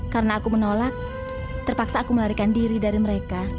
karena aku menolak terpaksa aku melarikan diri dari mereka